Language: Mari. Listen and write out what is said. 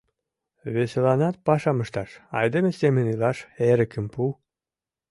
Весыланат пашам ышташ, айдеме семын илаш эрыкым пу...